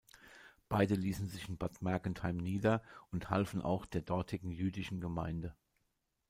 Beide ließen sich in Bad Mergentheim nieder und halfen auch der dortigen jüdischen Gemeinde.